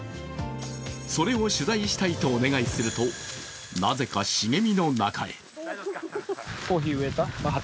それを取材したいとお願いするとなぜか茂みの中へ。